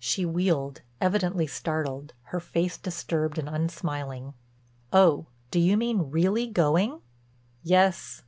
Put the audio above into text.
She wheeled, evidently startled, her face disturbed and unsmiling. "Oh! Do you mean really going?" "Yes.